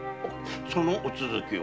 そのお続きを。